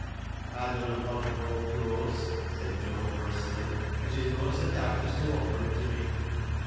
" I dunnot want no owd cloas," said Joan brusqtelj "* an' she's noan so daft as to offer em to me."